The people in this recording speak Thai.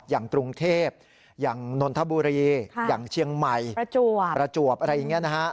อย่างกรุงเทพอย่างนนทบุรีอย่างเชียงใหม่ประจวบอะไรอย่างนี้นะฮะ